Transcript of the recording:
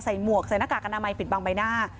หมวกใส่หน้ากากอนามัยปิดบังใบหน้า